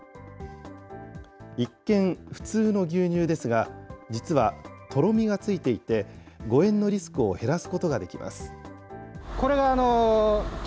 一見、普通の牛乳ですが、実はとろみがついていて、誤えんのリスクを減らすことができます。